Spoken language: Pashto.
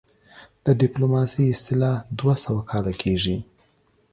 د ډيپلوماسۍ اصطلاح دوه سوه کاله کيږي